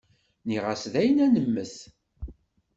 Nniɣ-as dayen ad nemmet.